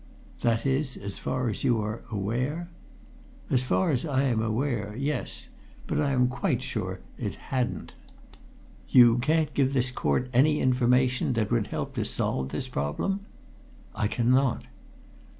"That is, as far as you are aware?" "As far as I am aware yes! But I am quite sure it hadn't." "You can't give this court any information that would help to solve this problem?" "I cannot!"